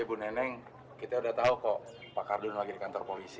ya bu neneng kita udah tau kok pak kardun lagi di kantor polisi